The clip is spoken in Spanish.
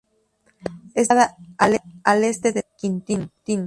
Está ubicada al este de San Quintín.